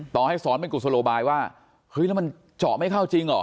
ให้สอนเป็นกุศโลบายว่าเฮ้ยแล้วมันเจาะไม่เข้าจริงเหรอ